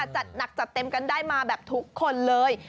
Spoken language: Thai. จัดหนักจัดเต็มกันได้มาแบบทุกคนเลย